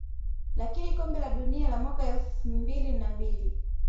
lakini kombe la dunia la mwaka elfu mbili na mbili